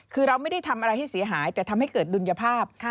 คือเราไม่ได้ทำอะไรให้เสียหายแต่ทำให้เกิดดุลยภาพ